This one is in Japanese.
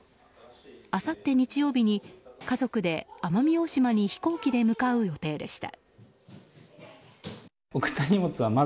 あさって日曜日に家族で奄美大島に飛行機で向かう予定でした。